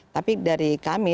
tapi dari kami